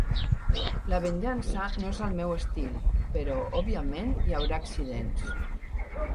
La venjança no és el meu estil, però òbviament hi haurà accidents.